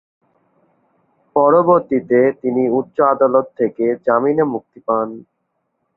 পরবর্তীতে তিনি উচ্চ আদালত থেকে জামিনে মুক্তি পান।